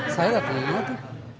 saya gak kenal tuh